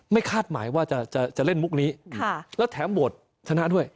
ไม่คาดหมายว่าจะเล่นมุขนี้แล้วแถมบวกสถานะด้วย